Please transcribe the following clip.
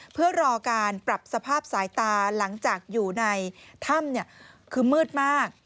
เพื่อรอการปรับสภาพสายตาหลังจากอยู่ในถ้ำคือมืดมาก